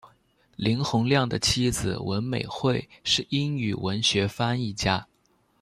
林洪亮的妻子文美惠是英语文学翻译家。